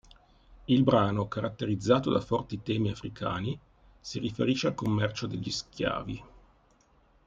Il brano, caratterizzato da forti temi africani, si riferisce al commercio degli schiavi.